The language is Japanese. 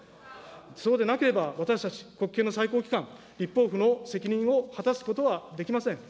そうでなければ、私たち、国権の最高機関、立法府の責任を果たすことはできません。